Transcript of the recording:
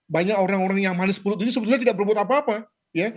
banyak orang orang yang manis perut ini sebetulnya tidak berbuat apa apa ya